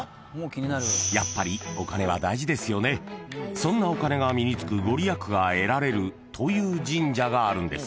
［そんなお金が身につく御利益が得られるという神社があるんです］